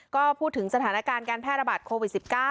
ก็พูดถึงสถานการณ์การแพร่ระบาดโควิด๑๙